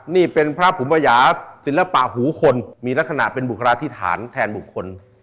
นี่เป็นพระภูมิปัญญาศิลปะหูคนมีลักษณะเป็นบุคลาธิษฐานแทนบุคคล